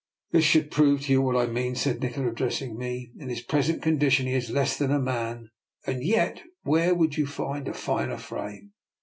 " This should prove to you what I mean," said Nikola, addressing me. " In his present condition he is less than a man, and yet where would you find a finer frame?